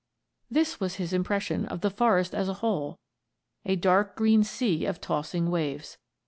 This was his impression of the forest as a whole, a dark green sea of tossing waves.